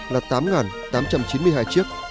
là tám tám trăm chín mươi hai chiếc